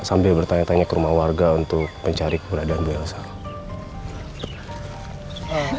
sambil bertanya tanya ke rumah warga untuk mencari keberadaan bu elsa